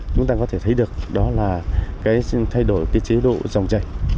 chúng ta có thể thấy được đó là thay đổi chế độ dòng chảy